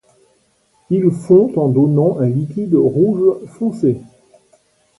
Il fond en donnant un liquide rouge foncé.